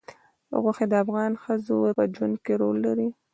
غوښې د افغان ښځو په ژوند کې رول لري.